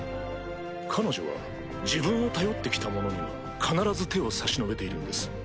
彼女は自分を頼って来た者には必ず手を差し伸べているんです。